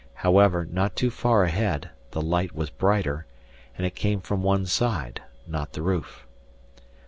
However, not too far ahead, the light was brighter, and it came from one side, not the roof.